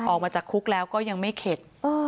ออกมาจากคุกแล้วก็ยังไม่เข็ด